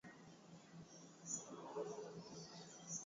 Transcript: Pua kutoa uchafu ni dalili ya mapele ya ngozi kwa ngombe